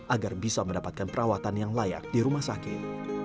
agar bisa mendapatkan perawatan yang layak di rumah sakit